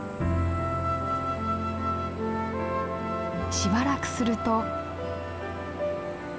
しばらくすると。